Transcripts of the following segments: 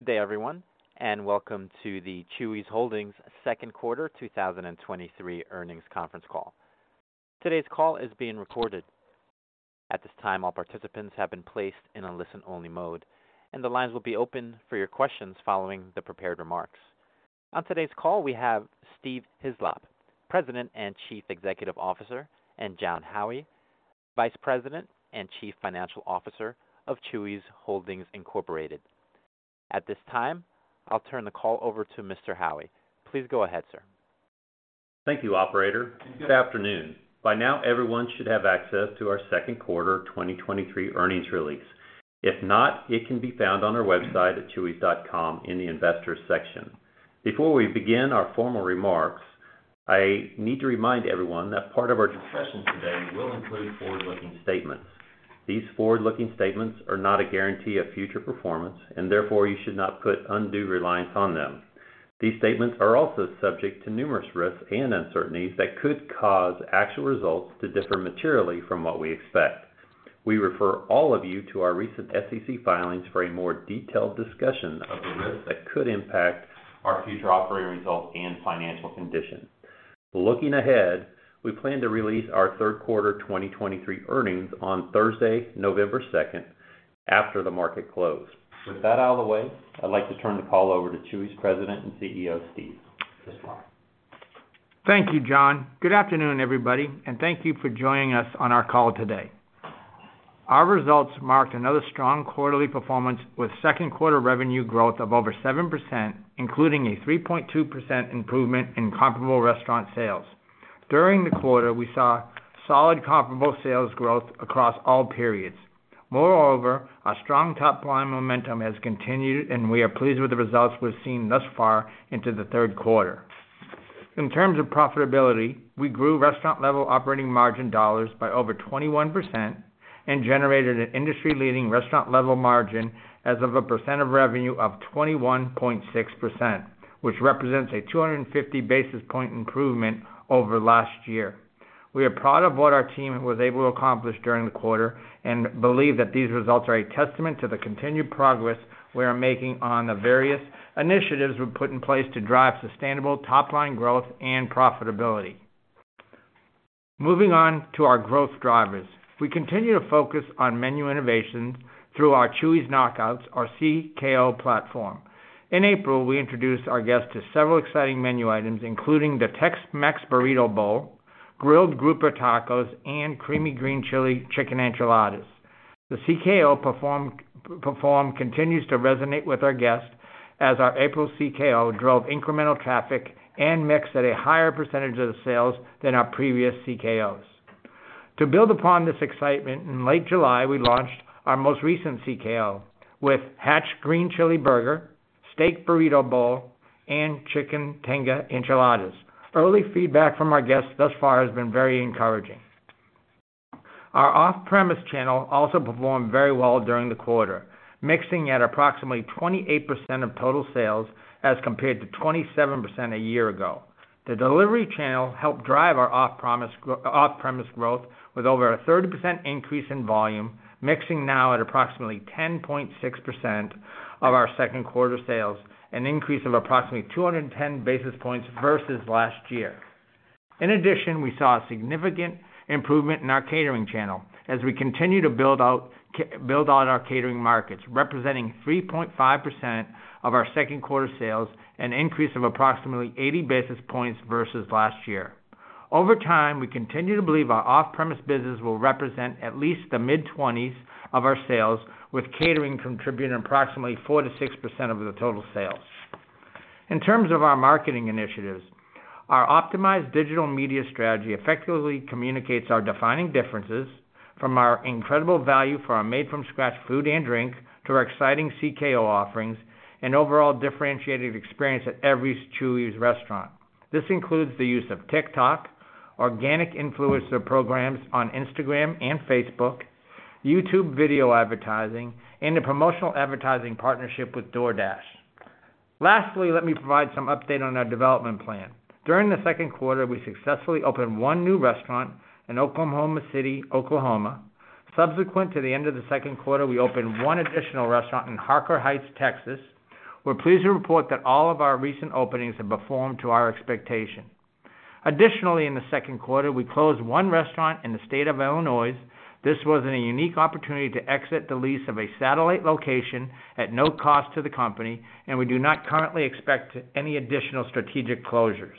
Good day, everyone, and welcome to the Chuy's Holdings Q2 2023 earnings conference call. Today's call is being recorded. At this time, all participants have been placed in a listen-only mode. The lines will be open for your questions following the prepared remarks. On today's call, we have Steve Hislop, President and Chief Executive Officer, and Jon Howie, Vice President and Chief Financial Officer of Chuy's Holdings, Inc. At this time, I'll turn the call over to Mr. Howie. Please go ahead, sir. Thank you, operator. Good afternoon. By now, everyone should have access to our Q2 2023 earnings release. If not, it can be found on our website at chuys.com in the Investors section. Before we begin our formal remarks, I need to remind everyone that part of our discussions today will include forward-looking statements. These forward-looking statements are not a guarantee of future performance, and therefore you should not put undue reliance on them. These statements are also subject to numerous risks and uncertainties that could cause actual results to differ materially from what we expect. We refer all of you to our recent SEC filings for a more detailed discussion of the risks that could impact our future operating results and financial condition. Looking ahead, we plan to release our Q3 2023 earnings on Thursday, November second, after the market closed. With that out of the way, I'd like to turn the call over to Chuy's President and CEO, Steve Hislop. Thank you, Jon. Good afternoon, everybody, and thank you for joining us on our call today. Our results marked another strong quarterly performance, with Q2 revenue growth of over 7%, including a 3.2% improvement in comparable restaurant sales. During the quarter, we saw solid comparable sales growth across all periods. Moreover, our strong top-line momentum has continued, and we are pleased with the results we've seen thus far into the Q3. In terms of profitability, we grew restaurant-level operating margin dollars by over 21% and generated an industry-leading restaurant-level margin as of a percent of revenue of 21.6%, which represents a 250 basis point improvement over last year. We are proud of what our team was able to accomplish during the quarter and believe that these results are a testament to the continued progress we are making on the various initiatives we've put in place to drive sustainable top-line growth and profitability. Moving on to our growth drivers. We continue to focus on menu innovations through our Chuy's Knockouts, our CKO platform. In April, we introduced our guests to several exciting menu items, including the Tex-Mex Burrito Bowl, Grilled Grouper Tacos, and Creamy Green Chile Chicken Enchiladas. The CKO perform continues to resonate with our guests, as our April CKO drove incremental traffic and mix at a higher % of the sales than our previous CKOs. To build upon this excitement, in late July, we launched our most recent CKO with Hatch Green Chile Burger, Steak Burrito Bowl, and Chicken Tinga Enchiladas. Early feedback from our guests thus far has been very encouraging. Our off-premise channel also performed very well during the quarter, mixing at approximately 28% of total sales as compared to 27% a year ago. The delivery channel helped drive our off-premise, off-premise growth with over a 30% increase in volume, mixing now at approximately 10.6% of our Q2 sales, an increase of approximately 210 basis points versus last year. In addition, we saw a significant improvement in our catering channel as we continue to build out our catering markets, representing 3.5% of our Q2 sales, an increase of approximately 80 basis points versus last year. Over time, we continue to believe our off-premise business will represent at least the mid-20s of our sales, with catering contributing approximately 4%-6% of the total sales. In terms of our marketing initiatives, our optimized digital media strategy effectively communicates our defining differences from our incredible value for our made from scratch food and drink to our exciting CKO offerings and overall differentiated experience at every Chuy's restaurant. This includes the use of TikTok, organic influencer programs on Instagram and Facebook, YouTube video advertising, and a promotional advertising partnership with DoorDash. Lastly, let me provide some update on our development plan. During the Q2, we successfully opened 1 new restaurant in Oklahoma City, Oklahoma. Subsequent to the end of the Q2, we opened 1 additional restaurant in Harker Heights, Texas. We're pleased to report that all of our recent openings have performed to our expectation. Additionally, in the Q2, we closed one restaurant in the state of Illinois. This was a unique opportunity to exit the lease of a satellite location at no cost to the company, and we do not currently expect any additional strategic closures.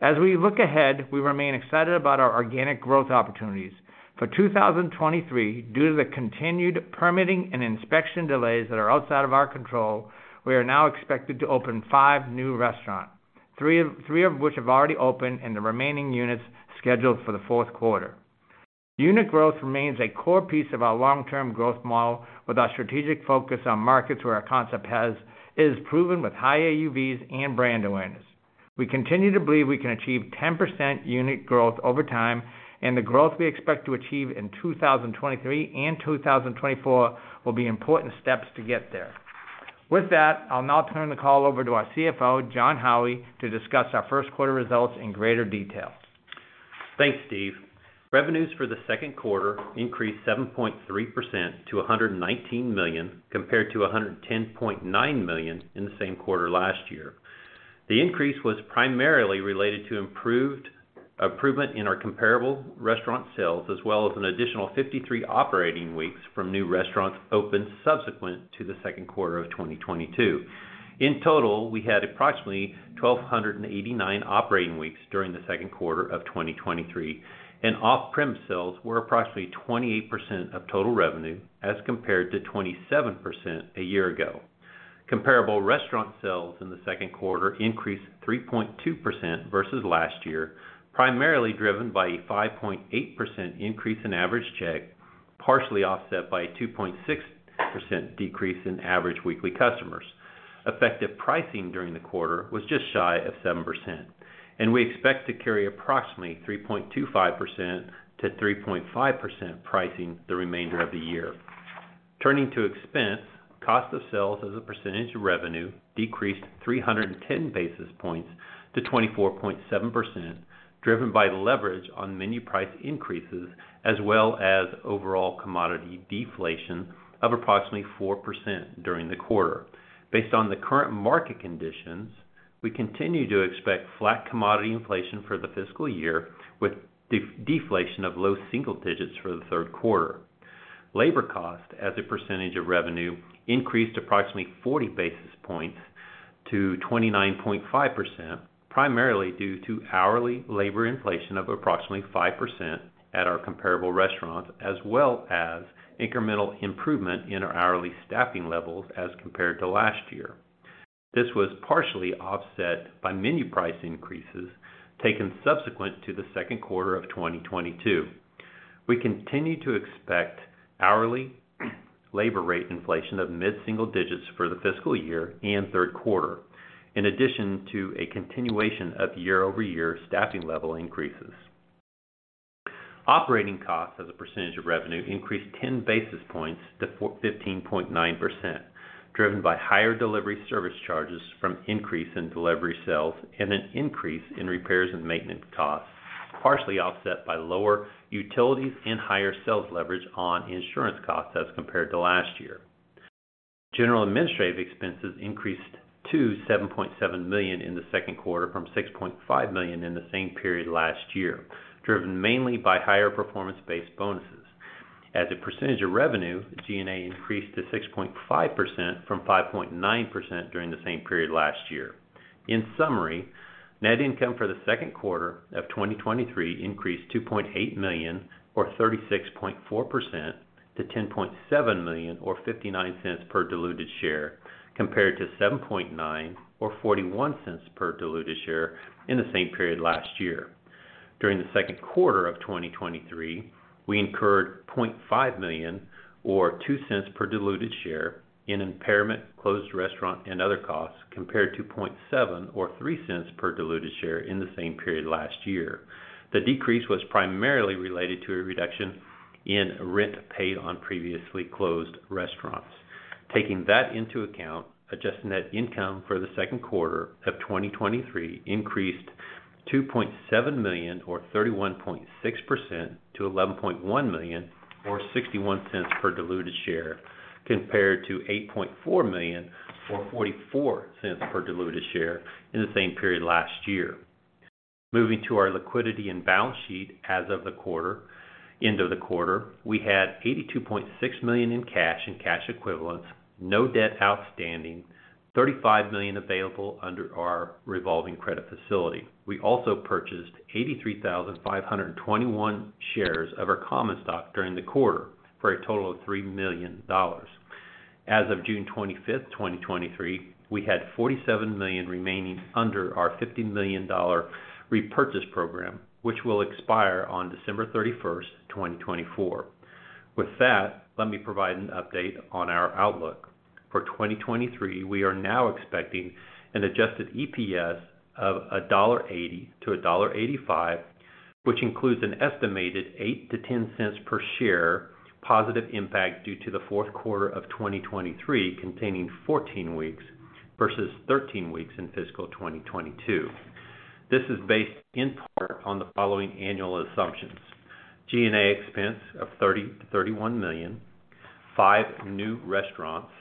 As we look ahead, we remain excited about our organic growth opportunities. For 2023, due to the continued permitting and inspection delays that are outside of our control, we are now expected to open five new restaurants, three of which have already opened, and the remaining units scheduled for the Q4. Unit growth remains a core piece of our long-term growth model, with our strategic focus on markets where our concept is proven with high AUVs and brand awareness. We continue to believe we can achieve 10% unit growth over time, and the growth we expect to achieve in 2023 and 2024 will be important steps to get there. With that, I'll now turn the call over to our CFO, Jon Howie, to discuss our Q1 results in greater detail. Thanks, Steve. Revenues for the Q2 increased 7.3% to $119 million, compared to $110.9 million in the same quarter last year. The increase was primarily related to improvement in our comparable restaurant sales, as well as an additional 53 operating weeks from new restaurants opened subsequent to the Q2 of 2022. In total, we had approximately 1,289 operating weeks during the Q2 of 2023, and off-prem sales were approximately 28% of total revenue, as compared to 27% a year ago. Comparable restaurant sales in the Q2 increased 3.2% versus last year, primarily driven by a 5.8% increase in average check, partially offset by a 2.6% decrease in average weekly customers. Effective pricing during the quarter was just shy of 7%. We expect to carry approximately 3.25%-3.5% pricing the remainder of the year. Turning to expense, cost of sales as a percentage of revenue decreased 310 basis points to 24.7%, driven by leverage on menu price increases, as well as overall commodity deflation of approximately 4% during the quarter. Based on the current market conditions, we continue to expect flat commodity inflation for the fiscal year, with deflation of low single digits for the Q3. Labor cost, as a percentage of revenue, increased approximately 40 basis points to 29.5%, primarily due to hourly labor inflation of approximately 5% at our comparable restaurants, as well as incremental improvement in our hourly staffing levels as compared to last year. This was partially offset by menu price increases taken subsequent to the Q2 of 2022. We continue to expect hourly labor rate inflation of mid single digits for the fiscal year and Q3, in addition to a continuation of year-over-year staffing level increases. Operating costs as a percentage of revenue increased 10 basis points to 15.9%, driven by higher delivery service charges from increase in delivery sales and an increase in repairs and maintenance costs, partially offset by lower utilities and higher sales leverage on insurance costs as compared to last year. General administrative expenses increased to $7.7 million in the Q2 from $6.5 million in the same period last year, driven mainly by higher performance-based bonuses. As a percentage of revenue, G&A increased to 6.5% from 5.9% during the same period last year. In summary, net income for the Q2 of 2023 increased $2.8 million, or 36.4% to $10.7 million, or $0.59 per diluted share, compared to $7.9 million or $0.41 per diluted share in the same period last year. During the Q2 of 2023, we incurred $0.5 million or $0.02 per diluted share in impairment, closed restaurant, and other costs, compared to $0.7 million or $0.03 per diluted share in the same period last year. The decrease was primarily related to a reduction in rent paid on previously closed restaurants. Taking that into account, adjusted net income for the Q2 of 2023 increased $2.7 million, or 31.6% to $11.1 million, or $0.61 per diluted share, compared to $8.4 million, or $0.44 per diluted share in the same period last year. Moving to our liquidity and balance sheet as of the quarter, end of the quarter, we had $82.6 million in cash and cash equivalents, no debt outstanding, $35 million available under our revolving credit facility. We also purchased 83,521 shares of our common stock during the quarter, for a total of $3 million. As of June 25, 2023, we had $47 million remaining under our $50 million repurchase program, which will expire on December 31, 2024. With that, let me provide an update on our outlook. For 2023, we are now expecting an adjusted EPS of $1.80-$1.85, which includes an estimated $0.08-$0.10 per share, positive impact due to the Q4 of 2023, containing 14 weeks versus 13 weeks in fiscal 2022. This is based in part on the following annual assumptions: G&A expense of $30 million-$31 million, 5 new restaurants,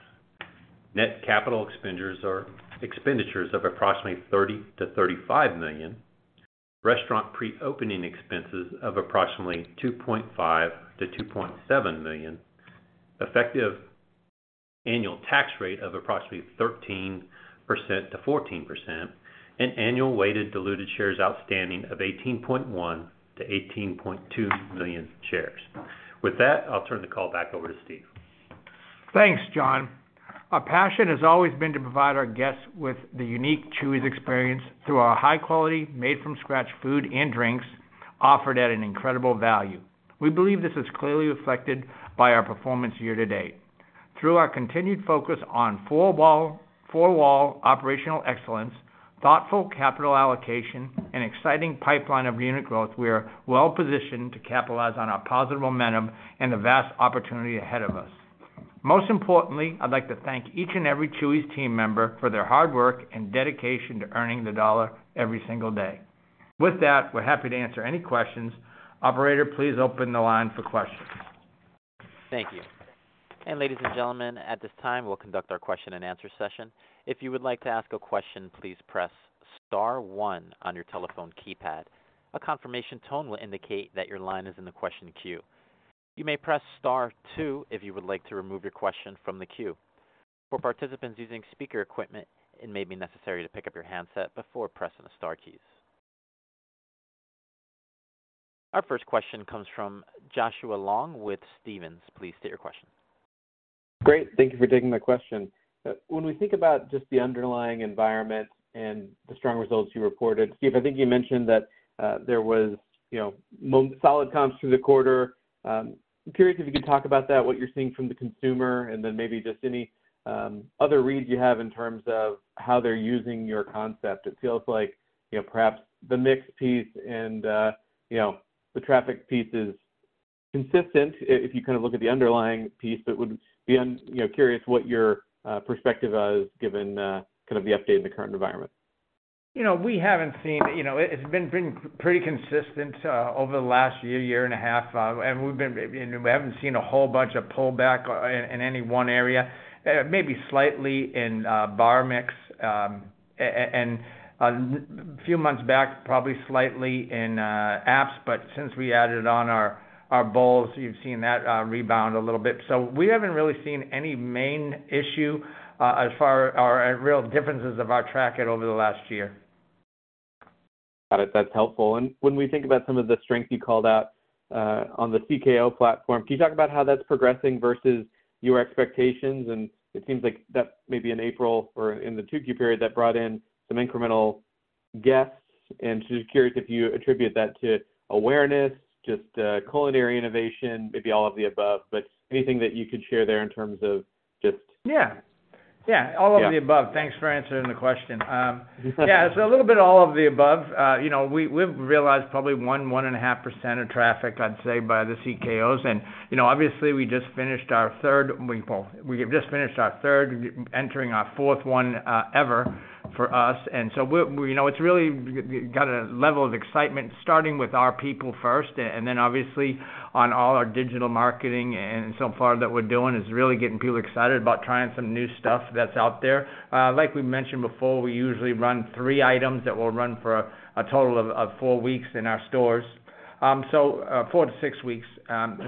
net capital expenditures of approximately $30 million-$35 million, restaurant pre-opening expenses of approximately $2.5 million-$2.7 million, effective annual tax rate of approximately 13%-14%, and annual weighted diluted shares outstanding of 18.1 million-18.2 million shares. With that, I'll turn the call back over to Steve. Thanks, Jon. Our passion has always been to provide our guests with the unique Chuy's experience through our high quality, made from scratch food and drinks offered at an incredible value. We believe this is clearly reflected by our performance year to date. Through our continued focus on four wall, four wall operational excellence, thoughtful capital allocation, and exciting pipeline of unit growth, we are well positioned to capitalize on our positive momentum and the vast opportunity ahead of us. Most importantly, I'd like to thank each and every Chuy's team member for their hard work and dedication to earning the dollar every single day. With that, we're happy to answer any questions. Operator, please open the line for questions. Thank you. Ladies and gentlemen, at this time, we'll conduct our question-and-answer session. If you would like to ask a question, please press star one on your telephone keypad. A confirmation tone will indicate that your line is in the question queue. You may press star two if you would like to remove your question from the queue. For participants using speaker equipment, it may be necessary to pick up your handset before pressing the star keys. Our first question comes from Joshua Long with Stephens. Please state your question. Great. Thank you for taking my question. When we think about just the underlying environment and the strong results you reported, Steve, I think you mentioned that, there was, you know, solid comps through the quarter. I'm curious if you could talk about that, what you're seeing from the consumer, and then maybe just any other reads you have in terms of how they're using your concept. It feels like, you know, perhaps the mix piece and, you know, the traffic piece is consistent, if you kind of look at the underlying piece, but would be, you know, curious what your perspective is, given, kind of the update in the current environment. You know, it's been pretty consistent over the last year, year and a half. We haven't seen a whole bunch of pullback in any one area. Maybe slightly in bar mix, and a few months back, probably slightly in apps, but since we added on our, our bowls, you've seen that rebound a little bit. We haven't really seen any main issue as far or real differences of our track it over the last year. Got it. That's helpful. When we think about some of the strength you called out on the CKO platform, can you talk about how that's progressing versus your expectations? It seems like that maybe in April or in the 2Q period, that brought in some incremental guests. Just curious if you attribute that to awareness, culinary innovation, maybe all of the above, but anything that you could share there in terms of just. Yeah. Yeah, all of the above. Yeah. Thanks for answering the question. Yeah, it's a little bit all of the above. You know, we, we've realized probably 1, 1.5% of traffic, I'd say, by the CKOs. You know, obviously, we just finished our third... Well, we have just finished our third, entering our fourth one, ever for us. You know, it's really got a level of excitement, starting with our people first, and then obviously, on all our digital marketing, and so far that we're doing, is really getting people excited about trying some new stuff that's out there. Like we mentioned before, we usually run 3 items that will run for a total of, of 4 weeks in our stores, so, 4-6 weeks.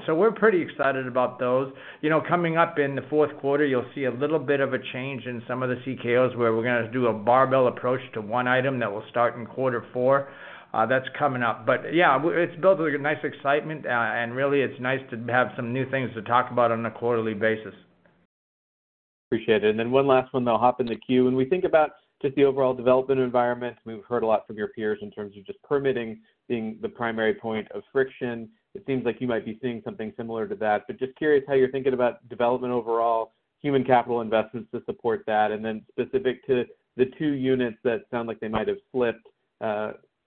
We're pretty excited about those. You know, coming up in the Q4, you'll see a little bit of a change in some of the CKOs, where we're gonna do a barbell approach to one item that will start in Q4. That's coming up. Yeah, it's built a nice excitement, and really, it's nice to have some new things to talk about on a quarterly basis. Appreciate it. One last one, then I'll hop in the queue. When we think about just the overall development environment, we've heard a lot from your peers in terms of just permitting being the primary point of friction. It seems like you might be seeing something similar to that, but just curious how you're thinking about development overall, human capital investments to support that, and then specific to the two units that sound like they might have slipped,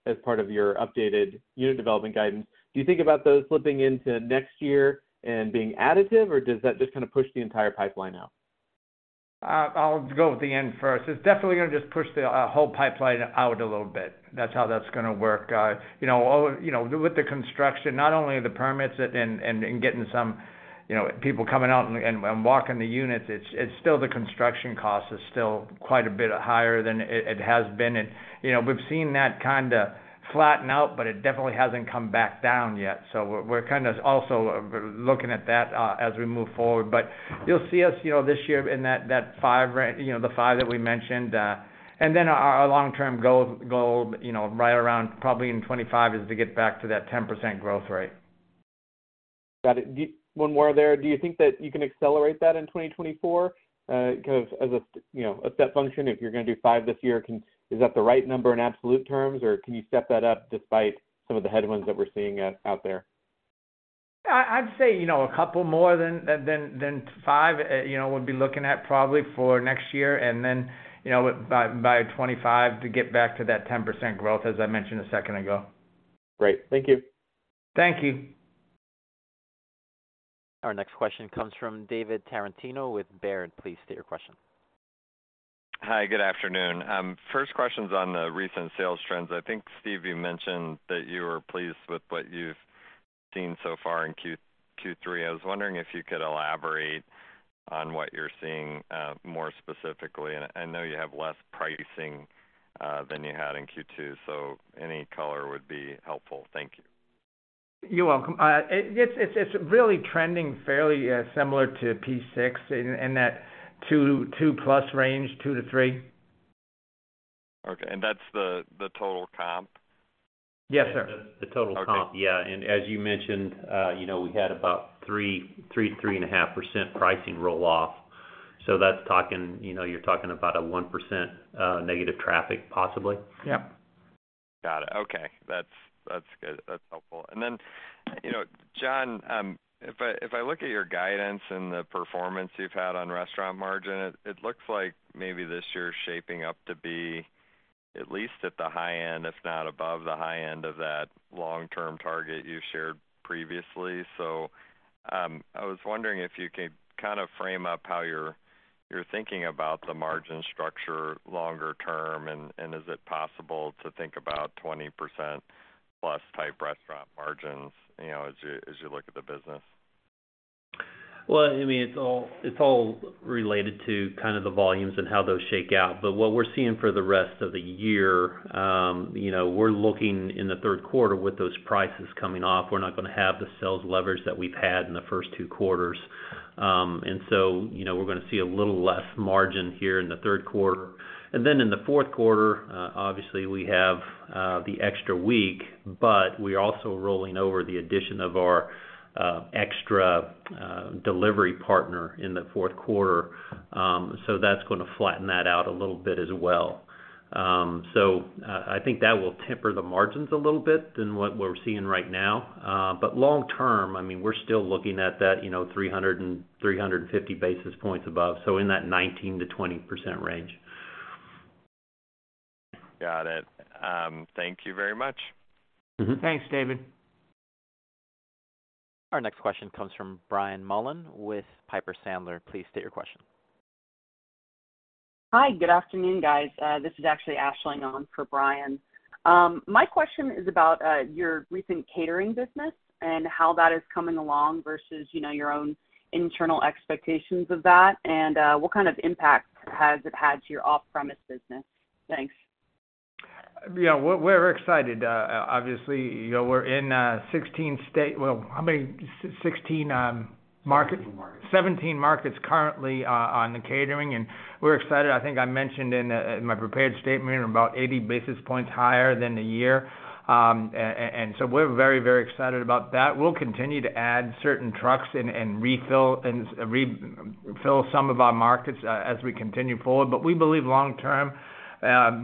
as part of your updated unit development guidance. Do you think about those slipping into next year and being additive, or does that just kind of push the entire pipeline out? I'll go with the end first. It's definitely going to just push the whole pipeline out a little bit. That's how that's going to work. You know, all, you know, with the construction, not only the permits and, and, and getting some, you know, people coming out and, and walking the units, it's, it's still the construction cost is still quite a bit higher than it, it has been. You know, we've seen that kinda flatten out, but it definitely hasn't come back down yet. We're, we're kind of also looking at that as we move forward. You'll see us, you know, this year in that, that five range, you know, the five that we mentioned. Our, our long-term goal, goal, you know, right around probably in 2025, is to get back to that 10% growth rate. Got it. One more there. Do you think that you can accelerate that in 2024? Kind of as a, you know, a step function, if you're going to do 5 this year, is that the right number in absolute terms, or can you step that up despite some of the headwinds that we're seeing out there? I, I'd say, you know, a couple more than, than, than five, you know, we'll be looking at probably for next year. Then, you know, by, by 2025, to get back to that 10% growth, as I mentioned a second ago. Great. Thank you. Thank you. Our next question comes from David Tarantino with Baird. Please state your question. Hi, good afternoon. First question's on the recent sales trends. I think, Steve, you mentioned that you were pleased with what you've seen so far in Q3. I was wondering if you could elaborate on what you're seeing, more specifically. I know you have less pricing, than you had in Q2, so any color would be helpful. Thank you. You're welcome. It's, it's, it's really trending fairly, similar to P6 in that 2, 2+ range, 2 to 3. Okay. That's the, the total comp? Yes, sir. The total comp. Okay. Yeah, as you mentioned, you know, we had about 3.5% pricing roll off. That's talking... you know, you're talking about a 1% negative traffic, possibly. Yeah. Got it. Okay. That's, that's good. That's helpful. You know, Jon, if I, if I look at your guidance and the performance you've had on restaurant margin, it, it looks like maybe this year is shaping up to be, at least at the high end, if not above the high end of that long-term target you shared previously. I was wondering if you could kind of frame up how you're, you're thinking about the margin structure longer term, and is it possible to think about 20% plus type restaurant margins, you know, as you, as you look at the business? Well, I mean, it's all, it's all related to kind of the volumes and how those shake out. What we're seeing for the rest of the year, you know, we're looking in the Q3 with those prices coming off. We're not gonna have the sales leverage that we've had in the first two quarters. You know, we're gonna see a little less margin here in the Q3. In the Q4, obviously, we have the extra week, but we're also rolling over the addition of our extra delivery partner in the Q4. That's gonna flatten that out a little bit as well. I think that will temper the margins a little bit than what we're seeing right now. long term, I mean, we're still looking at that, you know, 300-350 basis points above, so in that 19%-20% range. Got it. Thank you very much. Mm-hmm. Thanks, David. Our next question comes from Brian Mullan with Piper Sandler. Please state your question. Hi, good afternoon, guys. This is actually Ashley, on for Brian. My question is about your recent catering business and how that is coming along versus, you know, your own internal expectations of that, and what kind of impact has it had to your off-premise business? Thanks. Yeah, we're, we're excited. Obviously, you know, we're in, 16 state-- well, how many? 16, markets- 17 markets. 17 markets currently on the catering, and we're excited. I think I mentioned in my prepared statement, about 80 basis points higher than the year. So we're very, very excited about that. We'll continue to add certain trucks and refill, and re-fill some of our markets as we continue forward. We believe long term,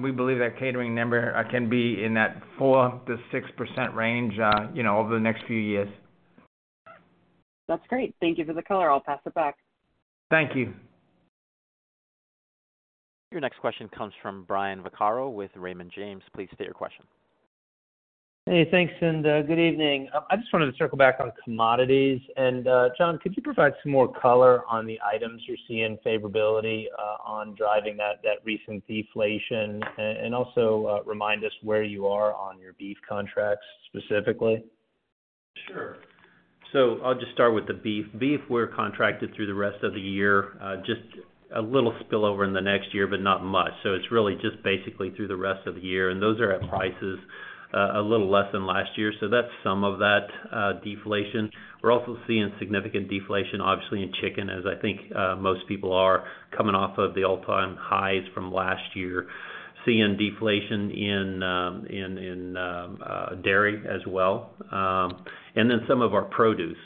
we believe that catering number can be in that 4%-6% range, you know, over the next few years. That's great. Thank you for the color. I'll pass it back. Thank you. Your next question comes from Brian Vaccaro with Raymond James. Please state your question. Hey, thanks. Good evening. I just wanted to circle back on commodities. Jon, could you provide some more color on the items you're seeing favorability on driving that, that recent deflation? Also, remind us where you are on your beef contracts, specifically. Sure. I'll just start with the beef. Beef, we're contracted through the rest of the year, just a little spillover in the next year, but not much. It's really just basically through the rest of the year, and those are at prices, a little less than last year. That's some of that deflation. We're also seeing significant deflation, obviously, in chicken, as I think most people are, coming off of the all-time highs from last year. Seeing deflation in, in dairy as well, and then some of our produce.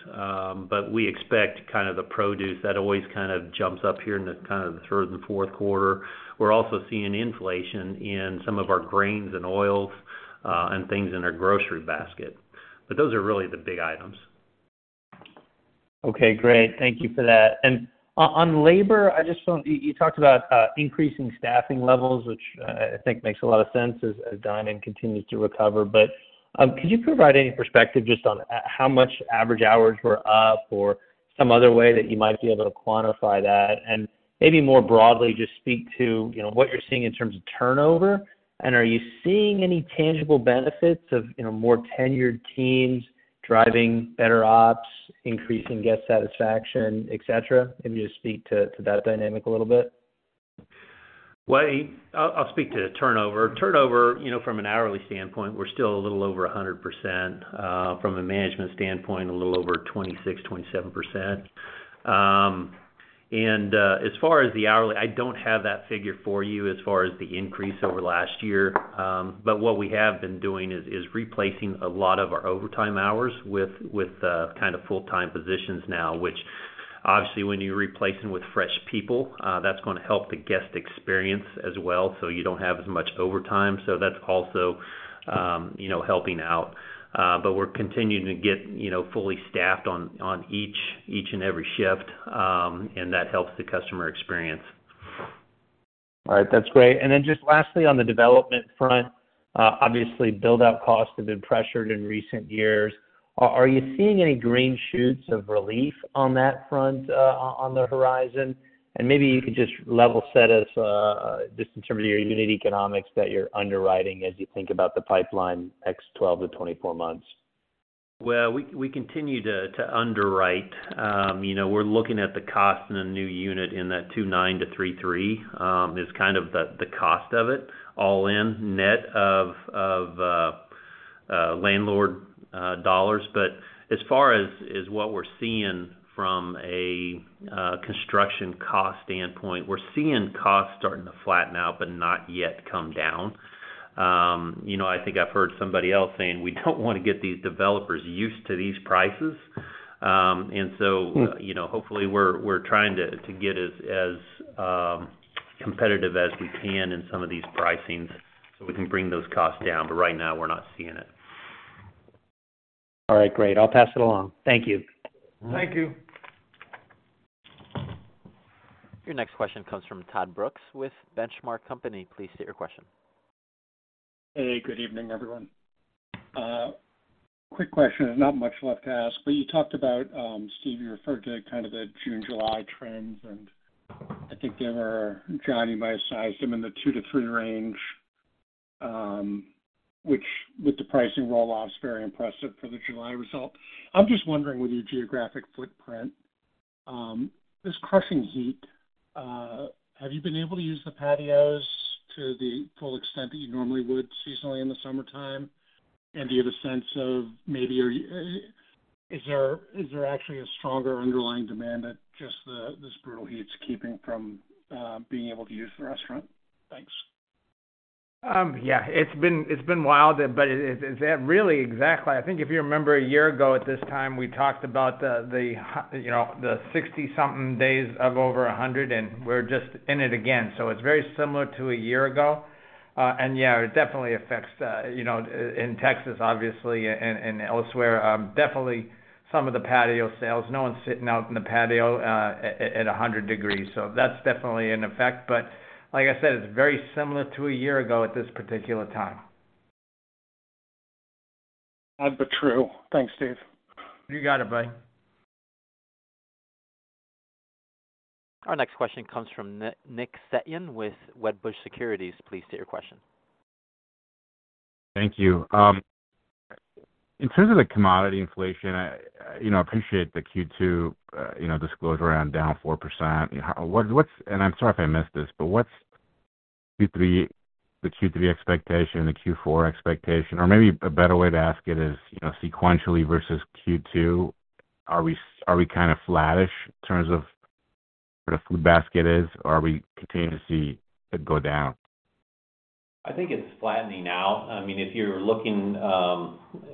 We expect kind of the produce, that always kind of jumps up here in the kind of the third and Q4. We're also seeing inflation in some of our grains and oils, and things in our grocery basket. Those are really the big items. Okay, great. Thank you for that. On labor, you talked about increasing staffing levels, which I think makes a lot of sense as dining continues to recover. Could you provide any perspective just on how much average hours were up or some other way that you might be able to quantify that? Maybe more broadly, just speak to, you know, what you're seeing in terms of turnover, and are you seeing any tangible benefits of, you know, more tenured teams driving better ops, increasing guest satisfaction, et cetera? Can you just speak to that dynamic a little bit? Well, I, I'll speak to turnover. Turnover, you know, from an hourly standpoint, we're still a little over 100%. From a management standpoint, a little over 26%-27%. As far as the hourly, I don't have that figure for you as far as the increase over last year. What we have been doing is, is replacing a lot of our overtime hours with, with, kind of full-time positions now, which obviously, when you're replacing with fresh people, that's gonna help the guest experience as well, so you don't have as much overtime. That's also, you know, helping out. We're continuing to get, you know, fully staffed on, on each, each and every shift, and that helps the customer experience. All right. That's great. Then just lastly, on the development front, obviously, build-out costs have been pressured in recent years. Are you seeing any green shoots of relief on that front, on the horizon? Maybe you could just level set us, just in terms of your unit economics that you're underwriting as you think about the pipeline X 12-24 months. Well, we, we continue to, to underwrite. You know, we're looking at the cost in a new unit in that $2.9 million-$3.3 million, is kind of the, the cost of it, all in, net of, of, landlord, dollars. But as far as, as what we're seeing from a, construction cost standpoint, we're seeing costs starting to flatten out, but not yet come down. You know, I think I've heard somebody else saying: We don't want to get these developers used to these prices. And so- Mm... you know, hopefully, we're, we're trying to, to get as, as competitive as we can in some of these pricings, so we can bring those costs down, but right now we're not seeing it. All right, great. I'll pass it along. Thank you. Thank you. Your next question comes from Todd Brooks with Benchmark Company. Please state your question. Hey, good evening, everyone. quick question, and not much left to ask, but you talked about, Steve, you referred to kind of the June, July trends, and I think they were, Jon, you might have sized them in the 2-3 range, which with the pricing roll-offs, very impressive for the July result. I'm just wondering, with your geographic footprint, this crushing heat, have you been able to use the patios to the full extent that you normally would seasonally in the summertime? And do you have a sense of maybe, is there actually a stronger underlying demand that just the, this brutal heat is keeping from, being able to use the restaurant? Thanks. Yeah, it's been, it's been wild, but it, it, really, exactly. I think if you remember a year ago at this time, we talked about the, the, you know, the 60 something days of over 100, and we're just in it again. It's very similar to a year ago. Yeah, it definitely affects the, you know, in Texas, obviously, and, and elsewhere, definitely some of the patio sales. No one's sitting out in the patio, at, at 100 degrees, so that's definitely an effect. Like I said, it's very similar to a year ago at this particular time. That's the true. Thanks, Steve. You got it, buddy. Our next question comes from Nick Setyan with Wedbush Securities. Please state your question. Thank you. In terms of the commodity inflation, I, you know, appreciate the Q2, you know, disclosure around down 4%. I'm sorry if I missed this, but what's Q3, the Q3 expectation and the Q4 expectation? Or maybe a better way to ask it is, you know, sequentially versus Q2, are we, are we kind of flattish in terms of where the food basket is, or are we continuing to see it go down? I think it's flattening out. I mean, if you're looking,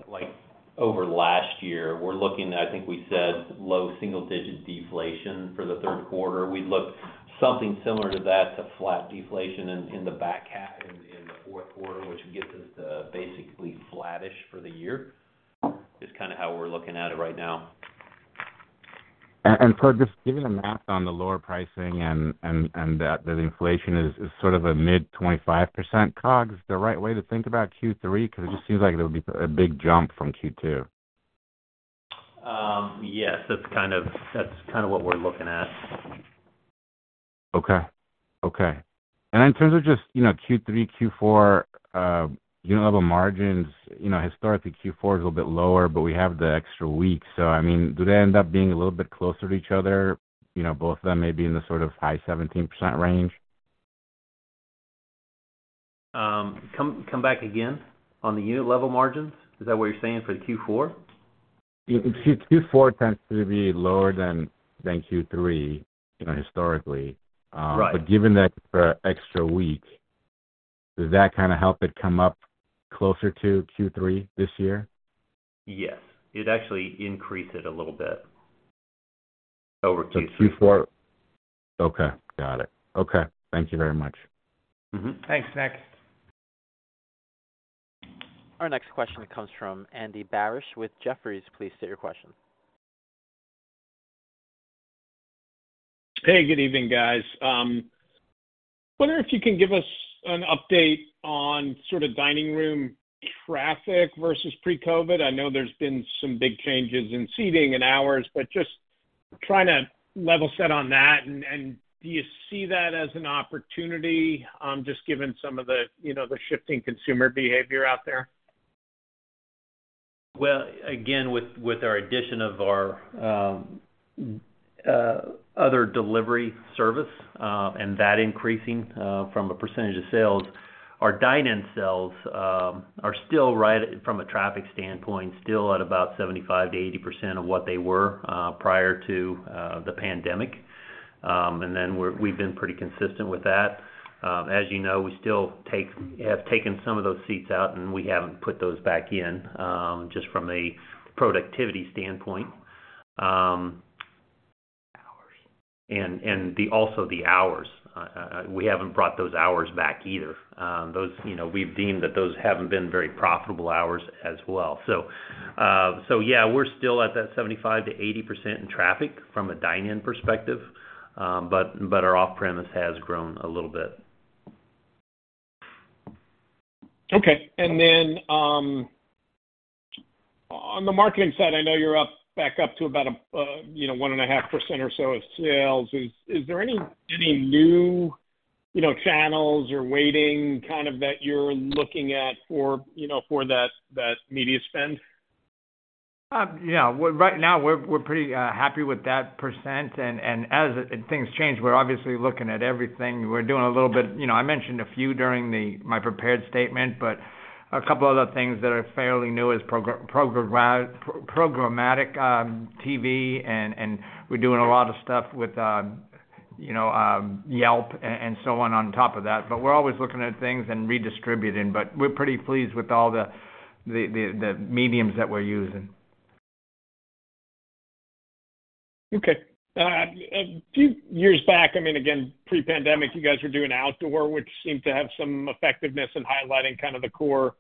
like over last year, we're looking, I think we said low single-digit deflation for the Q3. We'd look something similar to that, to flat deflation in the back half, in the Q4, which gets us to basically flattish for the year, is kind of how we're looking at it right now. Just given the math on the lower pricing and that, the inflation is sort of a mid-25% COGS, the right way to think about Q3, because it just seems like it'll be a big jump from Q2? Yes, that's kind of, that's kind of what we're looking at. Okay. Okay. In terms of just, you know, Q3, Q4, unit level margins, you know, historically, Q4 is a little bit lower, but we have the extra week. I mean, do they end up being a little bit closer to each other? You know, both of them may be in the sort of high 17% range? Come back again on the unit level margins. Is that what you're saying for the Q4? Q4 tends to be lower than, than Q3, you know, historically. Right. Given that the extra week, does that kind of help it come up closer to Q3 this year? Yes, it actually increase it a little bit over Q3. Q4. Okay, got it. Okay. Thank you very much. Mm-hmm. Thanks, Nick. Our next question comes from Andy Barish with Jefferies. Please state your question. Hey, good evening, guys. Wonder if you can give us an update on sort of dining room traffic versus pre-COVID. I know there's been some big changes in seating and hours, but just trying to level set on that. Do you see that as an opportunity, just given some of the, you know, the shifting consumer behavior out there? Again, with, with our addition of our other delivery service, and that increasing from a % of sales, our dine-in sales are still right from a traffic standpoint, still at about 75%-80% of what they were prior to the pandemic. We've been pretty consistent with that. As you know, we still have taken some of those seats out, and we haven't put those back in, just from a productivity standpoint. Also the hours, we haven't brought those hours back either. Those, you know, we've deemed that those haven't been very profitable hours as well. Yeah, we're still at that 75%-80% in traffic from a dine-in perspective, but our off-premise has grown a little bit. Okay. Then, on the marketing side, I know you're up, back up to about, you know, 1.5% or so of sales. Is, is there any, any new, you know, channels or waiting, kind of, that you're looking at for, you know, for that, that media spend? Yeah. Well, right now, we're, we're pretty happy with that %. As things change, we're obviously looking at everything. We're doing a little bit, you know, I mentioned a few during the-- my prepared statement, but a couple other things that are fairly new is programmatic TV, and we're doing a lot of stuff with, you know, Yelp and so on, on top of that. We're always looking at things and redistributing, but we're pretty pleased with all the, the, the, the mediums that we're using. Okay. a few years back, I mean, again, pre-pandemic, you guys were doing outdoor, which seemed to have some effectiveness in highlighting kind of the core...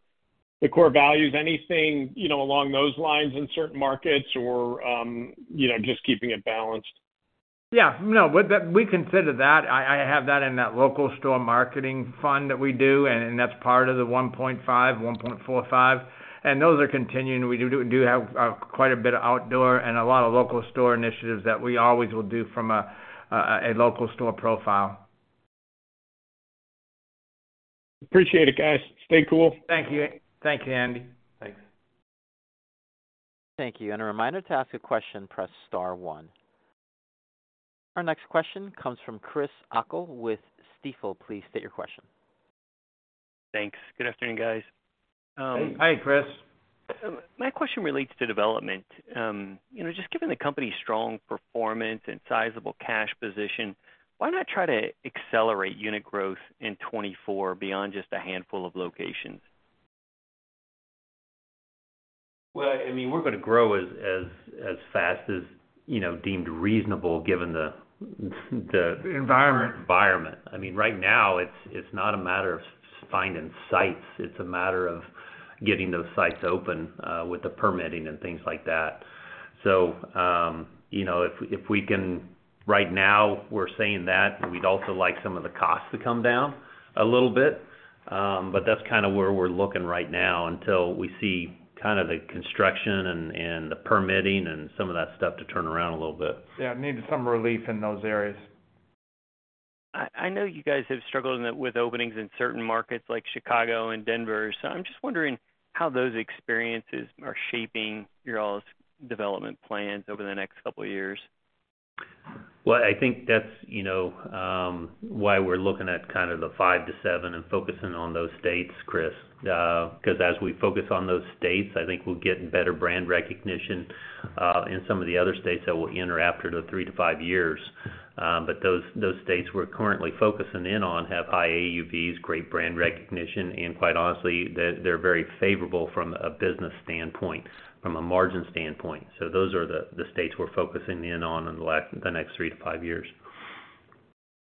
The core values, anything, you know, along those lines in certain markets or, you know, just keeping it balanced? Yeah, no, but that, we consider that. I, I have that in that local store marketing fund that we do, and, and that's part of the 1.5, 1.45, and those are continuing. We do, do have quite a bit of outdoor and a lot of local store initiatives that we always will do from a, a, a local store profile. Appreciate it, guys. Stay cool. Thank you. Thank you, Andy. Thanks. Thank you. A reminder to ask a question, press star one. Our next question comes from Chris O'Cull with Stifel. Please state your question. Thanks. Good afternoon, guys. Hi, Chris. My question relates to development. you know, just given the company's strong performance and sizable cash position, why not try to accelerate unit growth in 2024 beyond just a handful of locations? Well, I mean, we're gonna grow as, as, as fast as, you know, deemed reasonable, given the. Environment environment. I mean, right now, it's, it's not a matter of finding sites, it's a matter of getting those sites open with the permitting and things like that. You know, if we can right now, we're saying that, we'd also like some of the costs to come down a little bit. That's kind of where we're looking right now until we see kind of the construction and, and the permitting and some of that stuff to turn around a little bit. Yeah, need some relief in those areas. I, I know you guys have struggled with, with openings in certain markets like Chicago and Denver. I'm just wondering how those experiences are shaping y'all's development plans over the next couple of years. Well, I think that's, you know, why we're looking at kind of the 5-7 and focusing on those states, Chris, because as we focus on those states, I think we're getting better brand recognition, in some of the other states that we'll enter after the 3-5 years. Those, those states we're currently focusing in on have high AUVs, great brand recognition, and quite honestly, they're, they're very favorable from a business standpoint, from a margin standpoint. Those are the, the states we're focusing in on in the next 3-5 years.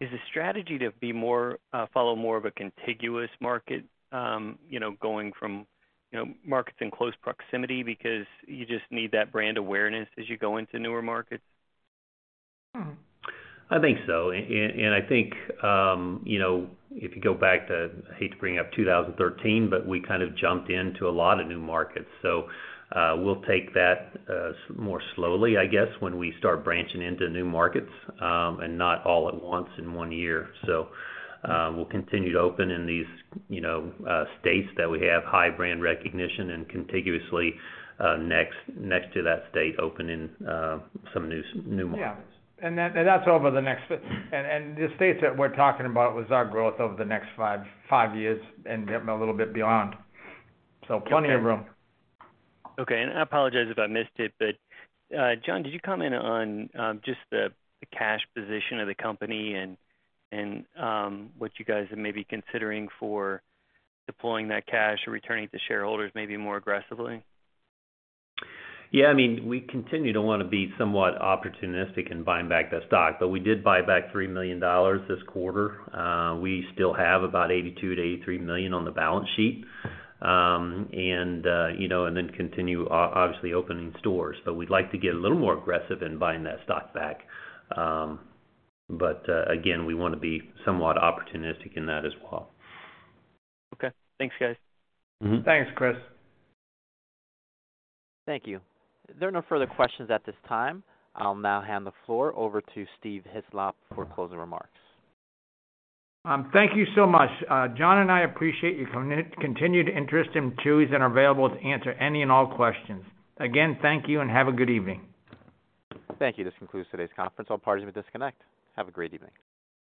Is the strategy to be more, follow more of a contiguous market, you know, going from, you know, markets in close proximity because you just need that brand awareness as you go into newer markets? I think so. I think, you know, if you go back to... I hate to bring up 2013, but we kind of jumped into a lot of new markets. We'll take that, more slowly, I guess, when we start branching into new markets, and not all at once in 1 year. We'll continue to open in these, you know, states that we have high brand recognition and contiguously, next, next to that state, opening, some new, new markets. Yeah. That, and that's over the next fit. The states that we're talking about was our growth over the next 5, 5 years and getting a little bit beyond. Plenty of room. Okay. I apologize if I missed it, but, Jon, did you comment on just the cash position of the company and what you guys are maybe considering for deploying that cash or returning it to shareholders maybe more aggressively? Yeah, I mean, we continue to want to be somewhat opportunistic in buying back the stock, but we did buy back $3 million this quarter. We still have about $82 million-$83 million on the balance sheet. You know, and then continue, obviously, opening stores. We'd like to get a little more aggressive in buying that stock back. Again, we want to be somewhat opportunistic in that as well. Okay. Thanks, guys. Mm-hmm. Thanks, Chris. Thank you. There are no further questions at this time. I'll now hand the floor over to Steve Hislop for closing remarks. Thank you so much. Jon and I appreciate your continued interest in Chuy's and are available to answer any and all questions. Again, thank you and have a good evening. Thank you. This concludes today's conference. All parties may disconnect. Have a great evening.